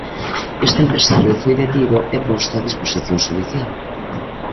Este empresario foi detido e posto a disposición xudicial.